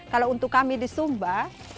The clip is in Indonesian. kalau untuk kami di sumba